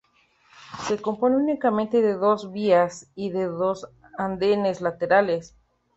Se compone únicamente de dos vías y de dos andenes laterales.